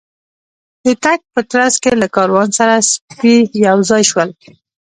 د تګ په ترڅ کې له کاروان سره سپي یو ځای شول.